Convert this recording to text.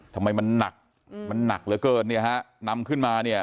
ทำไมมันหนักมันหนักเหลือเกินเนี่ยฮะนำขึ้นมาเนี่ย